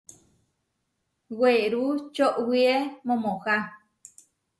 Werú čoʼwíe momohá.